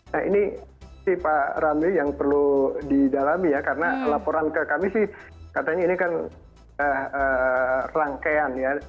nah ini pak ramli yang perlu didalami ya karena laporan ke kami sih katanya ini kan rangkaian ya